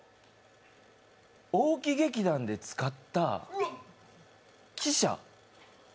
大木劇団で使った汽車。